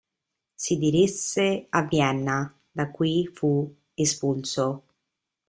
Si diresse a Vienna, da cui fu espulso.